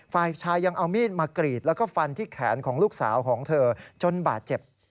ฝ่ายชายยังเอามีดมากรีดแล้วก็ฟันที่แขนของลูกสาวของเธอจนบาดเจ็บ